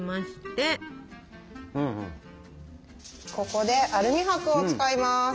ここでアルミ箔を使います。